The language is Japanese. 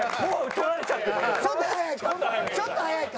ちょっと早いか。